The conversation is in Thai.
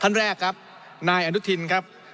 ท่านแรกครับนายอนุทินครับ